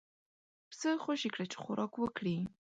پسه خوشی کړه چې خوراک وکړي.